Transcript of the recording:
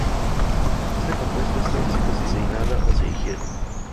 Este compuesto es tóxico si se inhala o ingiere.